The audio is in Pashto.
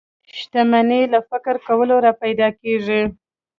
شتمني له فکر کولو را پيدا کېږي.